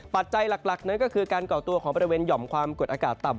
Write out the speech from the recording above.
ปัจจัยหลักนั้นก็คือการก่อตัวของบริเวณหย่อมความกดอากาศต่ำ